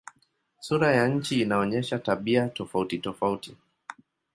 Sura ya nchi inaonyesha tabia tofautitofauti.